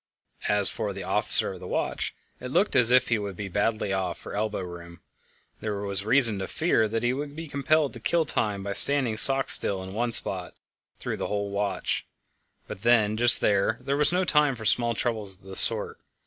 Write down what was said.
As for the officer of the watch, it looked as if he would be badly off for elbow room; there was reason to fear that he would be compelled to kill time by standing stock still in one spot through the whole watch; but just then there was no time for small troubles of this sort.